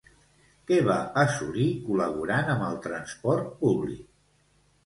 Què va assolir, col·laborant amb el transport públic?